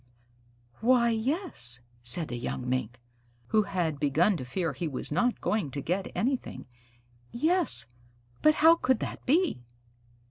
"Why, yes," said the young Mink, who had begun to fear he was not going to get anything. "Yes, but how could that be?"